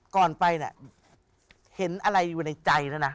ก่อนไปเนี่ยเห็นอะไรอยู่ในใจแล้วนะ